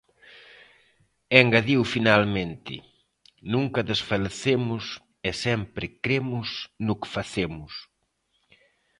E engadiu finalmente: "Nunca desfalecemos e sempre cremos no que facemos".